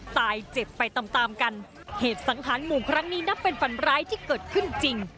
ตายเจ็บไปตามตามกันเหตุสังหารหมู่ครั้งนี้นับเป็นฝันร้ายที่เกิดขึ้นจริง